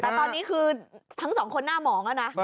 แต่ตอนนี้คือทั้งสองคนหน้าหมองแล้วนะ